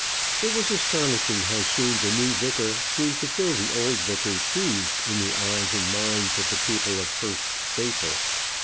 It was astonishing how soon the new vicar seemed to fill the old vicar's shoes in the eyes and minds of the people of Hurst Staple.